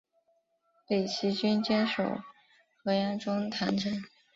北齐军坚守河阳中潭城。